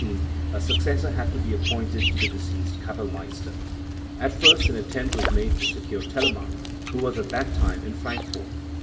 be passed over when, in 1716, a successor had to be appointed to the deceased Kapellmeister. At first an attempt was made to secure Telemann, who was at that time in Frank fort.